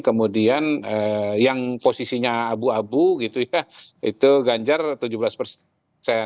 kemudian yang posisinya abu abu gitu ya itu ganjar tujuh belas persen